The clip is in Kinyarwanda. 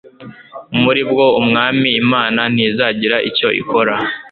muri bwo". "Umwami Imana ntizagira icyo ikora